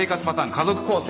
家族構成。